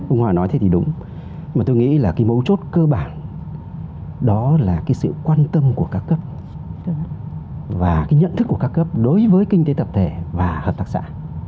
ông hòa nói thế thì đúng mà tôi nghĩ là cái mấu chốt cơ bản đó là cái sự quan tâm của các cấp và cái nhận thức của các cấp đối với kinh tế tập thể và hợp tác xã